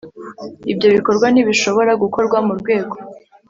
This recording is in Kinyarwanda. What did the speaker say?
Ibyo bikorwa ntibishobora gukorwa mu rwego